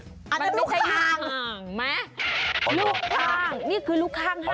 อันนั้นลูกค่างมันไม่ใช่มองนะลูกค้าง